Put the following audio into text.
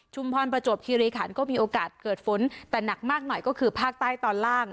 ประจวบคิริขันก็มีโอกาสเกิดฝนแต่หนักมากหน่อยก็คือภาคใต้ตอนล่าง